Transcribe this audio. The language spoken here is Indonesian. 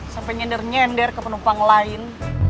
sampai nyender nyender ke penumpang lain